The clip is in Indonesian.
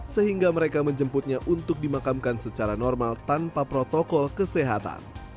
sehingga mereka menjemputnya untuk dimakamkan secara normal tanpa protokol kesehatan